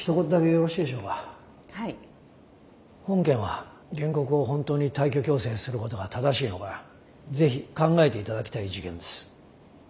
本件は原告を本当に退去強制することが正しいのか是非考えていただきたい事件です。